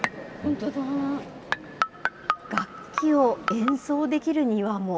楽器を演奏できる庭も。